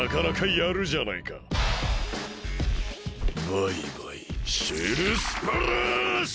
バイバイシェルスプラッシュ！